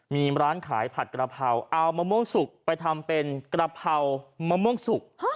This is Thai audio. มีร้านขายผัดกระเพราเอามะม่วงสุกไปทำเป็นกระเพรามะม่วงสุก